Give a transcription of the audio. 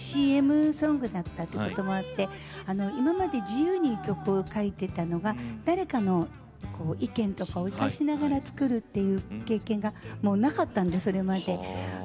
ＣＭソングだったということもあって今まで自由に曲を書いていたのが誰かの意見とかを生かしながら作るという経験がなかったんです、それまで。